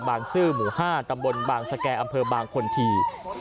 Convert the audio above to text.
ซื้อหมู่๕ตำบลบางสแก่อำเภอบางคนที